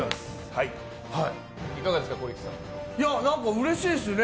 うれしいですね。